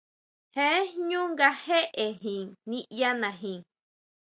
Jee jñú nga jéʼejin niʼyanajin.